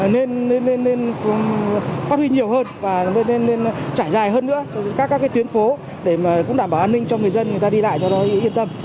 nên phát huy nhiều hơn và nên trải dài hơn nữa các tuyến phố để cũng đảm bảo an ninh cho người dân người ta đi lại cho nó yên tâm